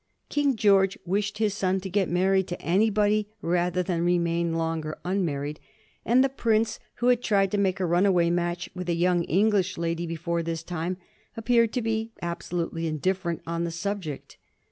King George wished his son to get married to anybody rather than remain longer unmarried; and the prince, who had tried to make a runaway match with a young English lady before this time, appeared to be absolutely indifferent on the subject.